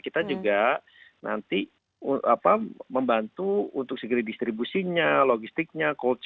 kita juga nanti membantu untuk segala distribusinya logistiknya call changenya